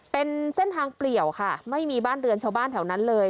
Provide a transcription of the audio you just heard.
เป็นเส้นทางเปลี่ยวค่ะไม่มีบ้านเรือนชาวบ้านแถวนั้นเลย